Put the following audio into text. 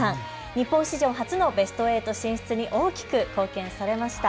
日本史上初のベスト８進出に大きく貢献されました。